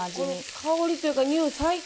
香りというか匂い最高。